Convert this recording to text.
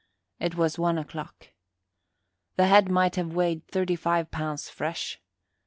It was 1 o'clock. The head might have weighed thirty five pounds fresh.